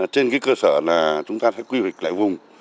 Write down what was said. trên cái cơ sở là chúng ta sẽ quy hoạch lại vùng